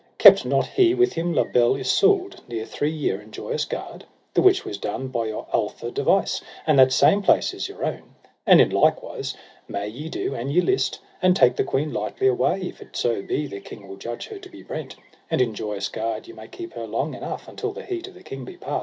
kept not he with him La Beale Isoud near three year in Joyous Gard? the which was done by your alther device, and that same place is your own; and in likewise may ye do an ye list, and take the queen lightly away, if it so be the king will judge her to be brent; and in Joyous Gard ye may keep her long enough until the heat of the king be past.